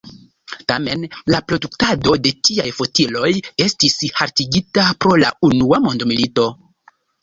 Tamen la produktado de tiaj fotiloj estis haltigita pro la unua mondmilito.